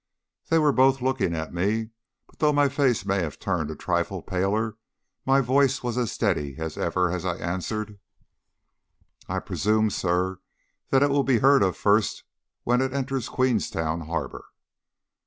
They were both looking at me; but though my face may have turned a trifle paler, my voice was as steady as ever as I answered "I presume, sir, that it will be heard of first when it enters Queenstown Harbour."